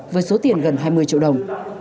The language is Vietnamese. với số tiền gần hai mươi triệu đồng